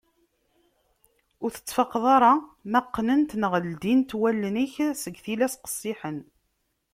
Ur tettfaqeḍ ara ma qqnent neɣ ldint wallen-ik seg tillas qessiḥen.